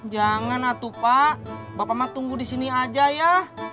jangan atupa bapak mah tunggu di sini aja ya